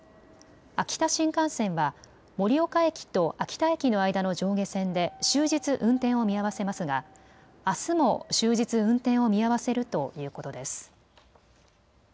秋田新幹線は盛岡駅と秋田駅の間の上下線で終日運転を見合わせますが、あすも終日運転を見合わせるということです。